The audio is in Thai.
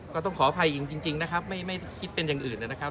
ขออภัยหญิงจริงนะครับไม่คิดเป็นอย่างอื่นนะครับ